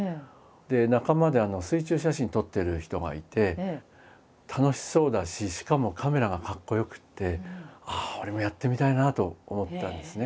仲間で水中写真撮ってる人がいて楽しそうだししかもカメラがかっこよくってああ俺もやってみたいなと思ったんですね。